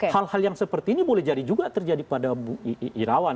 hal hal yang seperti ini boleh jadi juga terjadi pada bu irawan